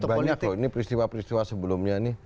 nah karena banyak loh ini peristiwa peristiwa sebelumnya nih